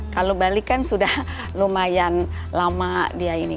kalau bali kan sudah lumayan lama dia ini